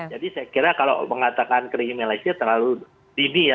jadi saya kira kalau mengatakan kriminalisasi terlalu dini ya